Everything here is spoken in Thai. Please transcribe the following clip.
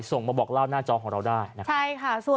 ส่งมาบอกเล่าหน้าจอของเราได้นะครับใช่ค่ะ